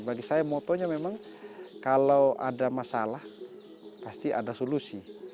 bagi saya motonya memang kalau ada masalah pasti ada solusi